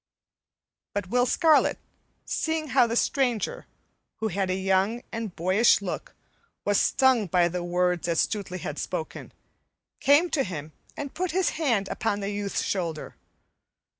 But Will Scarlet, seeing how the stranger, who had a young and boyish look, was stung by the words that Stutely had spoken, came to him and put his hand upon the youth's shoulder.